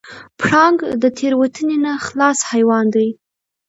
پړانګ د تېروتنې نه خلاص حیوان دی.